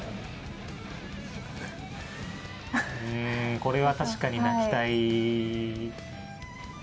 これは確かに泣きたい。